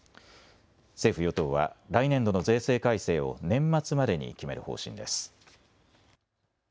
政府与党は来年度の税制改正を年末までに決める方針です。＃